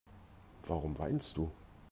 Warum weinst du?